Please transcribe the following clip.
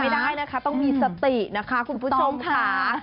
ไม่ได้นะคะต้องมีสตินะคะคุณผู้ชมค่ะ